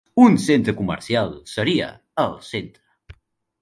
Un centre comercial seria al centre.